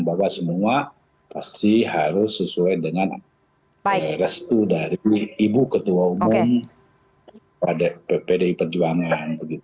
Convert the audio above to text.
bahwa semua pasti harus sesuai dengan restu dari ibu ketua umum pdi perjuangan